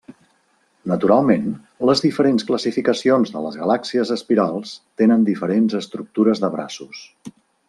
Naturalment, les diferents classificacions de les galàxies espirals tenen diferents estructures de braços.